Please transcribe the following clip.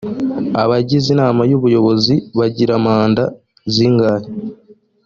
abagize inama y ubuyobozi bagira manda zingahe